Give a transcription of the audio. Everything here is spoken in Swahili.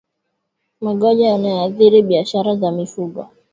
magonjwa yanayoathiri biashara za mifugo